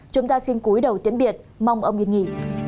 chúng ta xin cúi đầu tiếng biệt mong ông yên nghỉ